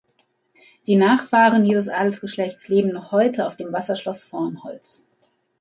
Die Nachfahren dieses Adelsgeschlechtes leben noch heute auf dem Wasserschloss Vornholz.